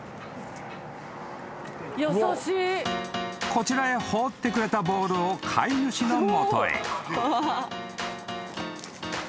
［こちらへ放ってくれたボールを飼い主の元へ］